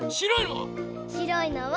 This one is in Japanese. しろいのは？